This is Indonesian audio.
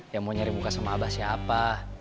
yang mau cari muka sama abah siapa